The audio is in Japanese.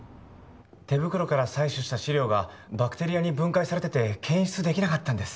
手袋から採取した試料がバクテリアに分解されてて検出できなかったんです